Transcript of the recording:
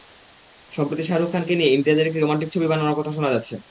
সম্প্রতি শাহরুখ খানকে নিয়ে ইমতিয়াজের একটি রোমান্টিক ছবি বানানোর কথা শোনা যাচ্ছে।